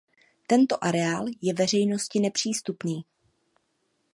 Tento areál je veřejnosti nepřístupný.